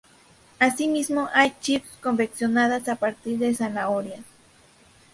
Asimismo hay "chips" confeccionadas a partir de zanahorias.